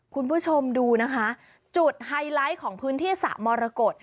คุณผู้ชมดูนะคะจุดไฮไลท์ของพื้นที่สระมรกฏ